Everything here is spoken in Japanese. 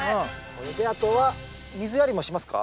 これであとは水やりもしますか？